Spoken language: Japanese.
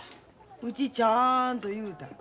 うちちゃんと言うた。